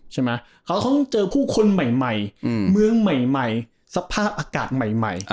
ใช่ไหมเขาต้องเจอผู้คนใหม่เมืองใหม่สภาพอากาศใหม่